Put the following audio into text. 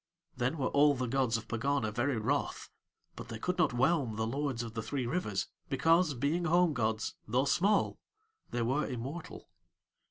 Then were all the gods of Pegana very wroth; but They could not whelm the lords of the three rivers, because being home gods, though small, they were immortal.